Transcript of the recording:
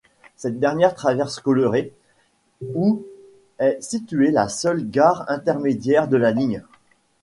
Cette dernière traverse Colleret, où est située la seule gare intermédiaire de la ligne.